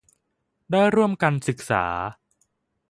ได้ร่วมกันศึกษา